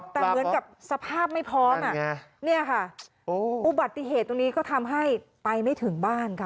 แต่เหมือนกับสภาพไม่พร้อมอ่ะเนี่ยค่ะอุบัติเหตุตรงนี้ก็ทำให้ไปไม่ถึงบ้านค่ะ